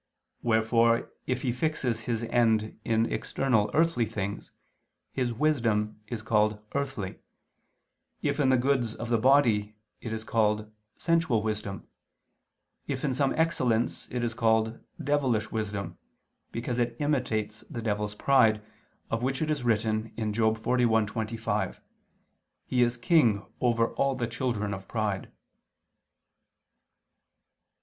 Wherefore, if he fixes his end in external earthly things, his "wisdom" is called "earthly," if in the goods of the body, it is called "sensual wisdom," if in some excellence, it is called "devilish wisdom" because it imitates the devil's pride, of which it is written (Job 41:25): "He is king over all the children of pride."